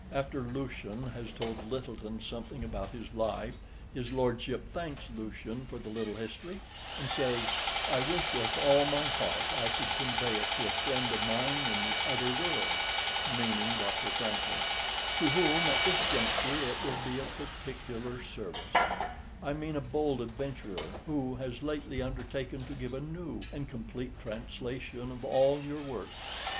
After Lucian has told Lyttelton something about his life, his lordship thanks Lucian for the little history, and says, "I wish with all my heart I could convey it to a friend of mine in the other world" meaning Dr. Francklin "to whom, at this juncture, it would be of particular service: I mean a bold adventurer who has lately undertaken to give a new and complete translation of all your works.